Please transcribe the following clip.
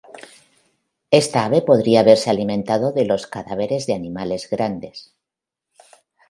Esta ave podría haberse alimentado de los cadáveres de animales grandes.